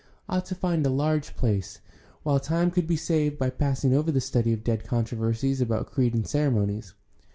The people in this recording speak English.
ought to find a large place, while time could be saved by passing over the study of dead controversies about creed and ceremonies.